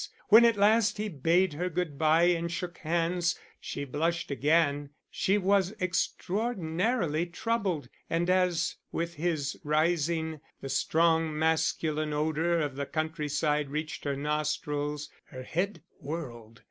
When at last he bade her good bye and shook hands, she blushed again; she was extraordinarily troubled, and as, with his rising, the strong masculine odour of the countryside reached her nostrils, her head whirled.